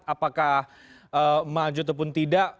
apakah maju ataupun tidak